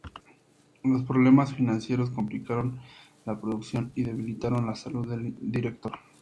Los problemas financieros complicaron la producción y debilitaron la salud del director.